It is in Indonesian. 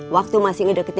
waktu masih ngedeketin esi